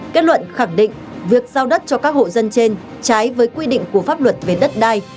kết luận khẳng định việc giao đất cho các hộ dân trên trái với quy định của pháp luật về đất đai